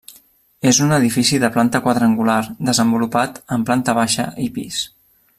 És un edifici de planta quadrangular desenvolupat en planta baixa i pis.